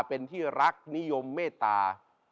เป็นที่รักนิยมเมตตา